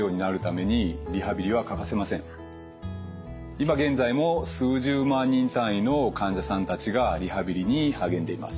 今現在も数十万人単位の患者さんたちがリハビリに励んでいます。